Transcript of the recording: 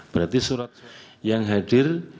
berarti surat yang hadir dua ratus dua puluh delapan